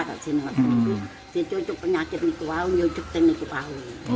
itu penyakit itu yang menyedutkan